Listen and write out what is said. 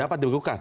dapat dibekukan